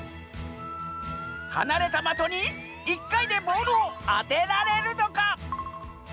はなれたまとに１かいでボールをあてられるのか？